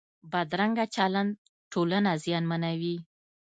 بدرنګه چلند ټولنه زیانمنوي